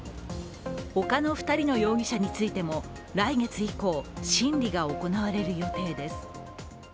他の２人の容疑者についても来月以降、審理が行われる予定です。